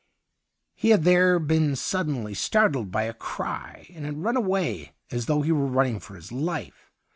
He had there been suddenly startled by a cry, and had run away as though he were running for his life.